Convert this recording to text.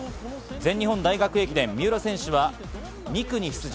全日本大学駅伝、三浦選手は２区に出場。